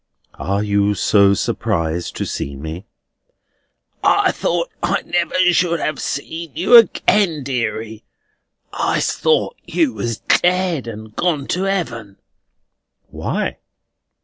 "Are you so surprised to see me?" "I thought I never should have seen you again, deary. I thought you was dead, and gone to Heaven." "Why?"